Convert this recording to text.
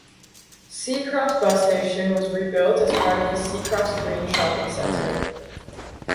Seacroft bus station was rebuilt as part of the Seacroft Green Shopping Centre.